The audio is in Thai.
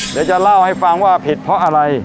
เดี๋ยวจะเล่าให้ฟังว่าเผ็ดเพราะอะไร